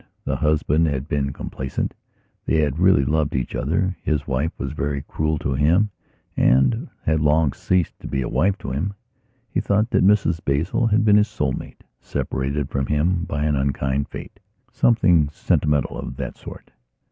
The husband had been complaisant; they had really loved each other; his wife was very cruel to him and had long ceased to be a wife to him. He thought that Mrs Basil had been his soul mate, separated from him by an unkind fatesomething sentimental of that sort.